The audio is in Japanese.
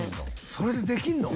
それでできるの？